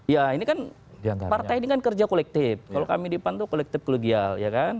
ya ini kan partai ini kan kerja kolektif kalau kami di pan tuh kolektif klegial